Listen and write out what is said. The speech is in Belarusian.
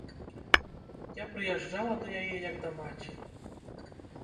Я прыязджала да яе як да маці.